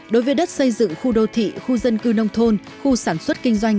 đối với đất xây dựng khu đô thị khu dân cư nông thôn khu sản xuất kinh doanh